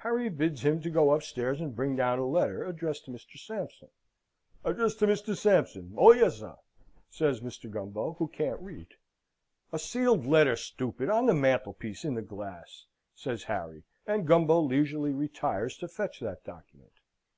Harry bids him to go upstairs and bring down a letter addressed to Mr. Sampson. "Addressed to Mr. Sampson? Oh yes, sir," says Mr. Gumbo, who can't read. "A sealed letter, stupid! on the mantelpiece, in the glass!" says Harry; and Gumbo leisurely retires to fetch that document.